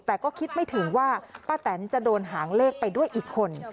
แต่ก็คิดไม่ถึงว่าป้าแตนจะโดนหางเลขไปด้วยอีกคน